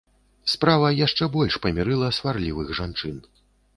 Справа яшчэ больш памірыла сварлівых жанчын.